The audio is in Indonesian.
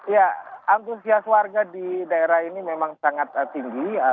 ya antusias warga di daerah ini memang sangat tinggi